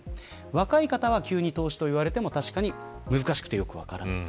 若い方は急に投資と言われても難しくて分からない。